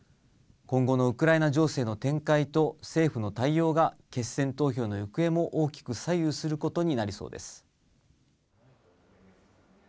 今後のウクライナ情勢の展開と、政府の対応が決選投票の行方も大きく左右することになりそうです。